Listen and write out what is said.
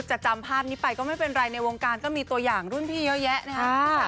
จำภาพนี้ไปก็ไม่เป็นไรในวงการก็มีตัวอย่างรุ่นพี่เยอะแยะนะครับ